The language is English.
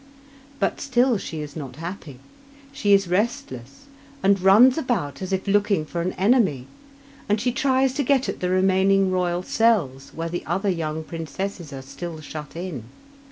But still she is not happy. She is restless, and runs about as if looking for an enemy, and she tries to get at the remaining royal cells where the other young princesses are still shut in.